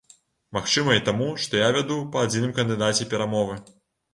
Магчыма і таму, што я вяду па адзіным кандыдаце перамовы.